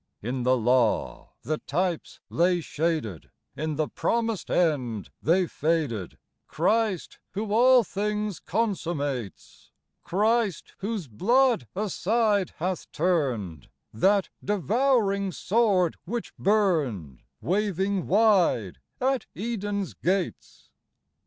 V In the Law the types lay shaded ; In the promised end they faded, — Christ, who all things consummates ; Christ, whose blood aside hath turned That devouring sword which burned, Waving wide, at Eden's gates.